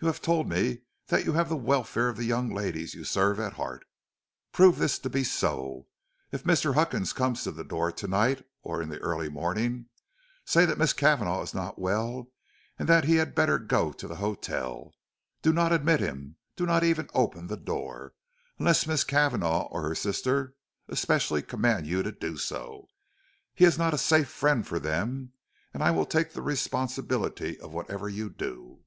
You have told me that you have the welfare of the young ladies you serve at heart. Prove this to be so. If Mr. Huckins comes to the door to night, or in the early morning, say that Miss Cavanagh is not well and that he had better go to the hotel. Do not admit him; do not even open the door, unless Miss Cavanagh or her sister especially command you to do so. He is not a safe friend for them, and I will take the responsibility of whatever you do."